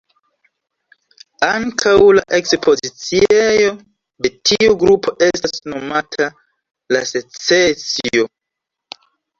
Ankaŭ la ekspoziciejo de tiu grupo estas nomata "La Secesio".